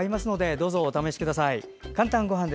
どうぞ、お試しください。